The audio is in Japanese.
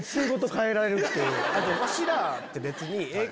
あとわしらって別にええ